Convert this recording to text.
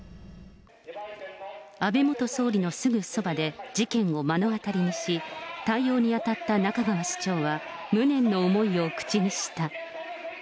安倍元総理のすぐそばで事件を目の当たりにし、対応に当たった仲川市長は無念の思いを口にした。